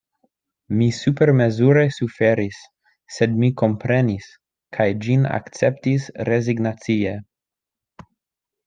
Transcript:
Mi supermezure suferis; sed mi komprenis, kaj ĝin akceptis rezignacie.